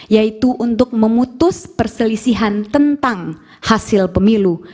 yaitu untuk memutus perselisihan tentang hasil pemilu